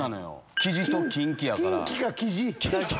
キジとキンキやから。